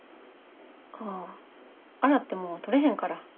ああ洗っても取れへんから。